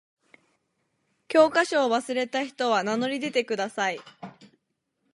教科書を忘れた人は名乗り出てください。